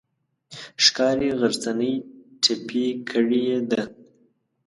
ښکاري غرڅنۍ ټپي کړې ده.